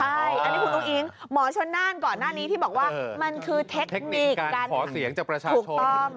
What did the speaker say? ใช่อันนี้คุณอุ้งอิ๊งหมอชนน่านก่อนหน้านี้ที่บอกว่ามันคือเทคนิคการขอเสียงจากประชาชน